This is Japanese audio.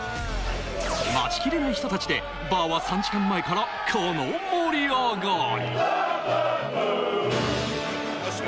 待ちきれない人たちで、バーは３時間前からこの盛り上がり。